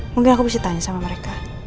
mungkin aku bisa tanya sama mereka